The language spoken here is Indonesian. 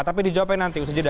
tapi dijawabkan nanti ustaz yudha